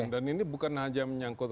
dan ini bukan hanya menyangkut